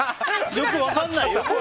よく分かんない。